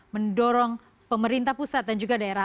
mendorong pemerintah pusat dan juga daerah